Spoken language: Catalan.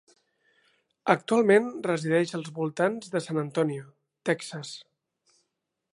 Actualment resideix als voltants de San Antonio, Texas.